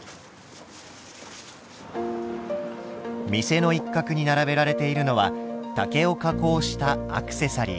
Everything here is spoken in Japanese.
店の一角に並べられているのは竹を加工したアクセサリーです。